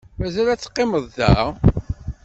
Mazal ad teqqimeḍ da?